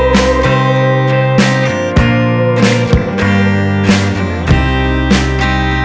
terima kasih banyak om tante